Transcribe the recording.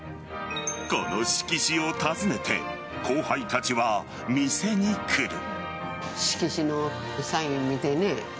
この色紙を訪ねて後輩たちは店に来る。